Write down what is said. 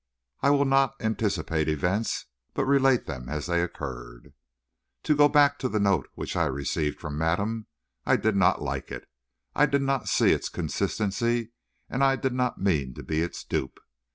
I will not anticipate events, but relate them as they occurred. To go back then to the note which I received from madame. I did not like it. I did not see its consistency, and I did not mean to be its dupe.